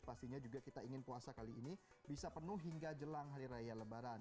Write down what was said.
pastinya juga kita ingin puasa kali ini bisa penuh hingga jelang hari raya lebaran